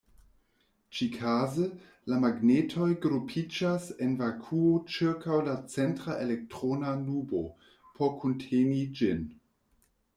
Ĉikaze, la magnetoj grupiĝas en vakuo ĉirkaŭ la centra elektrona nubo, por kunteni ĝin.